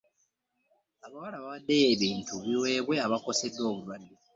Abawala bawaddeyo ebintu biweebwe abakoseddwa obulwadde.